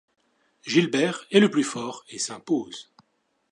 Gilbert est le plus fort et s'impose.